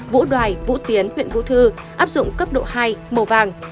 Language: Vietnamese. vũ đoài vũ tiến huyện vũ thư áp dụng cấp độ hai màu vàng